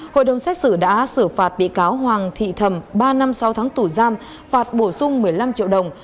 hội đồng xét xử đã xử phạt bị cáo hoàng thị thầm ba năm sáu tháng tù giam phạt bổ sung một mươi năm triệu đồng